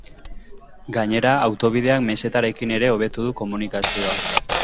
Gainera, autobideak mesetarekin ere hobetu du komunikazioa.